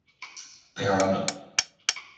贝尔蒙。